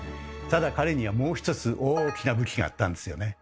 ただ彼にはもう一つ大きな武器があったんですよね。